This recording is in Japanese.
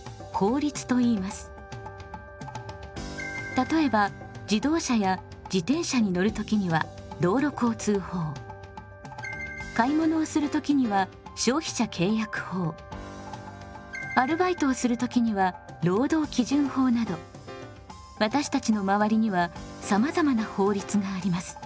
例えば自動車や自転車に乗る時には道路交通法買い物をする時には消費者契約法アルバイトをする時には労働基準法など私たちの周りにはさまざまな法律があります。